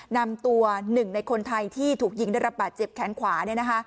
นำตัวหนึ่งในคนไทยที่ถูกยิงได้รับบาดเจ็บแขนขวา